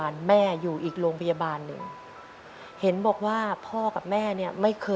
ใช่ครับผม